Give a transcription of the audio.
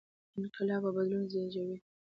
انقلابونه او بدلونونه زېږوي.